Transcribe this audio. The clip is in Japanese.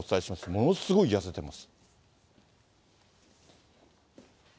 ものすごい痩せてます。